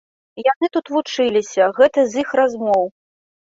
Яны тут вучыліся, гэта з іх размоў.